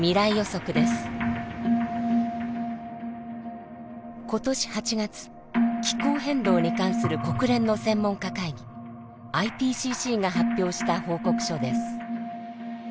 今年８月気候変動に関する国連の専門家会議ＩＰＣＣが発表した報告書です。